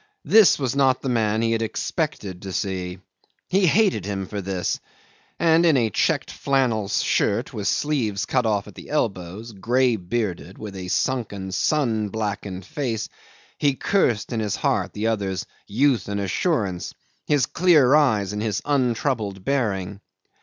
This was not the man he had expected to see. He hated him for this and in a checked flannel shirt with sleeves cut off at the elbows, grey bearded, with a sunken, sun blackened face he cursed in his heart the other's youth and assurance, his clear eyes and his untroubled bearing.